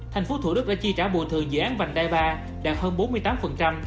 thành phố thủ đức đã chi trả bồi thường dự án vành đai ba đạt hơn bốn mươi tám